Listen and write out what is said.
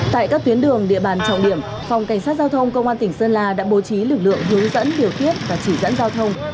tại các tuyến đường địa bàn trọng điểm phòng cảnh sát giao thông công an tỉnh sơn la đã bố trí lực lượng hướng dẫn điều tiết và chỉ dẫn giao thông